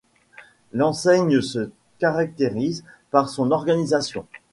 L'enseigne se caractérise par son organisation.